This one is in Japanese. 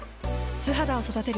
素肌を育てる。